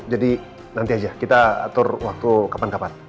jadi nanti aja kita atur waktu kapan kapan